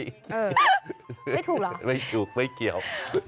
ไม่ถูกหรอไม่ถูกไม่เกี่ยว